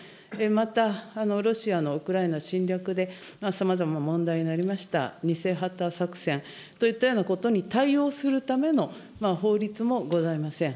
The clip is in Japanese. またロシアのウクライナ侵略でさまざま問題になりました偽旗作戦といったようなことに対応するための法律もございません。